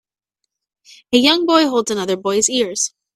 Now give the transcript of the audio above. A young boy holds another boy 's ears.